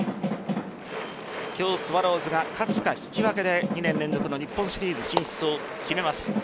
今日スワローズが勝つか引き分けで２年連続の日本シリーズ進出を決めます。